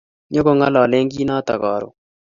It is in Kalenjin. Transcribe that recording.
Nyoko ngololen kit notok karon